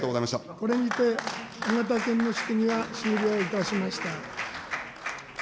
これにて緒方君の質疑は終了いたしました。